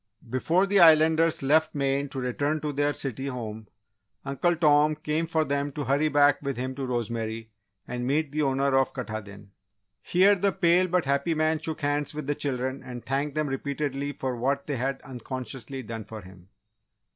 Before the Islanders left Maine to return to their city home, Uncle Tom came for them to hurry back with him to Rosemary and meet the owner of Katahdin. Here, the pale but happy man shook hands with the children and thanked them repeatedly for what they had unconsciously done for him.